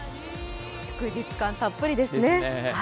祝日感たっぷりですね。